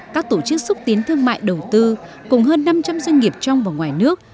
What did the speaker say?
các tổ chức xúc tiến thương mại đầu tư cùng hơn năm trăm linh doanh nghiệp trong và ngoài nước